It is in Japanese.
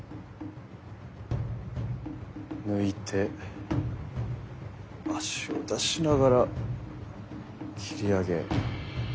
抜いて足を出しながら斬り上げ。